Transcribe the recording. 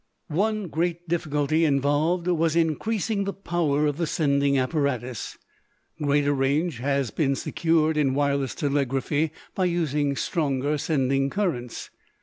One great difficulty involved was in increasing the power of the sending apparatus. Greater range has been secured in wireless telegraphy by using stronger sending currents.